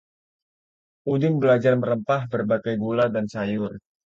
Udin belajar merempah berbagai gulai dan sayur